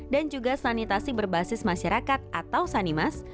dan juga sanitasi berbasis masyarakat atau sanimas